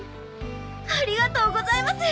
ありがとうございます！